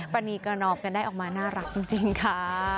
ประนีประนอมกันได้ออกมาน่ารักจริงค่ะ